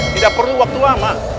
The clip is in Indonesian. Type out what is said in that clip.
tidak perlu waktu lama